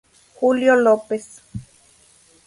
Julio López.